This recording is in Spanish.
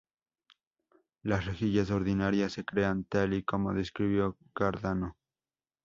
Las rejillas ordinarias se crean tal y como describió Cardano.